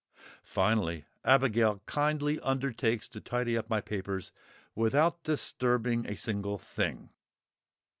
Finally, Abigail kindly undertakes to tidy up my papers "without disturbing a single thing!"